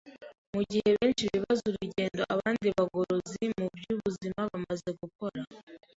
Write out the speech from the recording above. Mu gihe benshi bibaza urugendo abandi bagorozi mu by’ubuzima bamaze gukora,